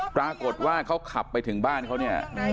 ปรากฏว่าเขาขับไปถึงบ้านเขาเนี่ย